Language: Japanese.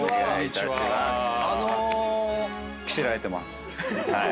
着せられてます。